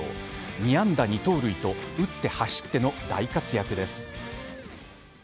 ２安打２盗塁と打って走っての大活躍です。